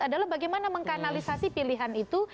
adalah bagaimana mengkanalisasi pilihan itu